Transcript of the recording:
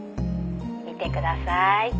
「見てください」